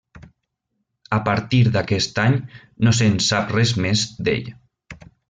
A partir d'aquest any no se'n sap res més, d'ell.